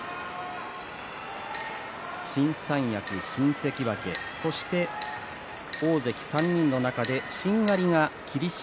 新三役、新関脇そして大関３人の中でしんがりが霧島。